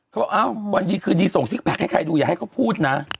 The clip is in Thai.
เขาอ้าววันดีคืนนี้ทรงซิกแพ็กให้ใครดูอย่าให้เขาพูดนะ